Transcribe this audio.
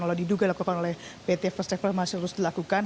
kalau diduga dilakukan oleh pt first travel masih terus dilakukan